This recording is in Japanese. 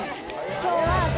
今日は私。